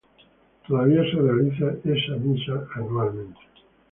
Todavía se realiza esta misa anualmente.